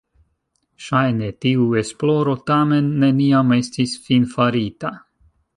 Ŝajne tiu esploro tamen neniam estis finfarita.